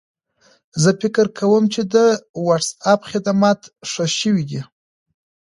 زه فکر کوم چې د وټساپ خدمات ښه شوي دي.